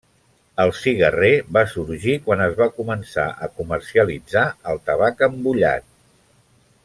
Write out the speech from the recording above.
El cigarrer va sorgir quan es va començar a comercialitzar el tabac embullat.